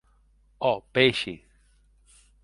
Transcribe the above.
Ò peishi!.